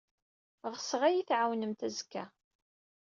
Ɣseɣ ad iyi-tɛawnemt azekka.